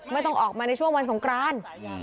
ไม่ต้องออกมาในช่วงวันสงกราน